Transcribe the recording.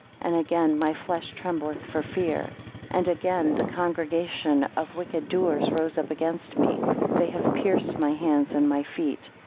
And again, My flesh trembleth for fear. 19 And again, the congregation of wicked doers rose up against me, (They have pierced my hands and my feet).